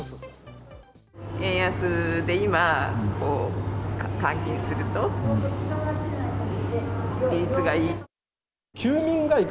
円安で、今、換金すると、利率がいい。